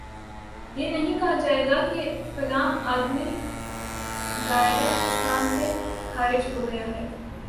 یہ نہیں کہا جائے گا کہ فلاں آدمی دائرۂ اسلام سے خارج ہو گیا ہے